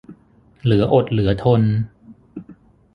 เหลืออดเหลือทน